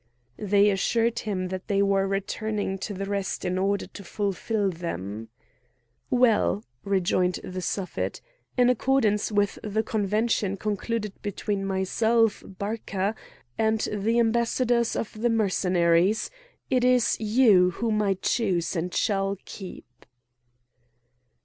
They assured him that they were returning to the rest in order to fulfil them. "Well!" rejoined the Suffet, "in accordance with the convention concluded between myself, Barca, and the ambassadors of the Mercenaries, it is you whom I choose and shall keep!"